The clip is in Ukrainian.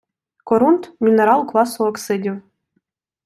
Корунд – мінерал класу оксидів